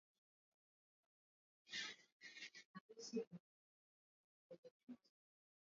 Matangazo ya Idhaa ya Kiswahili huwafikia mamilioni ya wasikilizaji katika Afrika Mashariki na Afrika ya kati Pamoja.